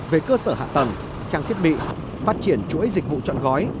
về cơ sở hạ tầng trang thiết bị phát triển chuỗi dịch vụ trọn gói